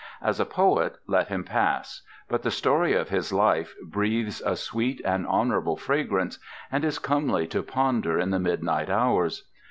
As a poet, let him pass; but the story of his life breathes a sweet and honourable fragrance, and is comely to ponder in the midnight hours.